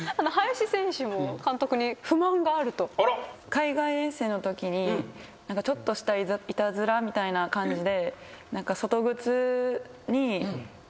海外遠征のときにちょっとしたいたずらみたいな感じで。